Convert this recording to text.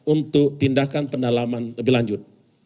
untuk tindakan pendalaman lebih lanjut